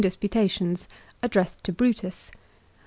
353 Disputations, addressed to Brutus.